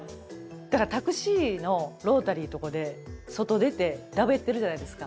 だからタクシーのロータリーとこで外出てだべってるじゃないですか。